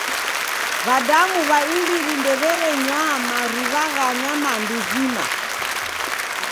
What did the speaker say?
W'adamu w'a imbiri ndew'erenywa mariw'a gha nyamandu zima.